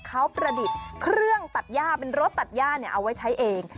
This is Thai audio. เขาประดิษฐ์เครื่องตัดย่าเป็นรถตัดย่าเอาไว้ใช้เอง